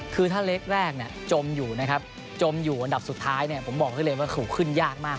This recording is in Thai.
คือถ้าเล็กจมอยู่นะครับจมอยู่อันดับสุดท้ายผมบอกให้เรียนว่าขึ้นยากมาก